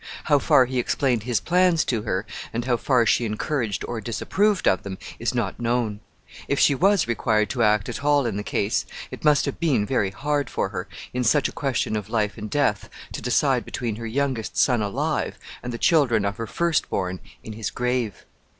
How far he explained his plans to her, and how far she encouraged or disapproved of them, is not known. If she was required to act at all in the case, it must have been very hard for her, in such a question of life and death, to decide between her youngest son alive and the children of her first born in his grave.